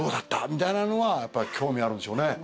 みたいなのは興味あるんでしょうね